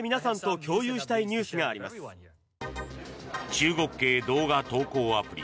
中国系動画投稿アプリ